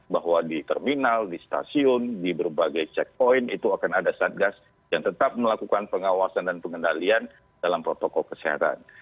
bahwa di terminal di stasiun di berbagai checkpoint itu akan ada satgas yang tetap melakukan pengawasan dan pengendalian dalam protokol kesehatan